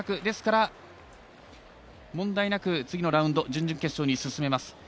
ですから問題なく、次のラウンド準々決勝に進めます。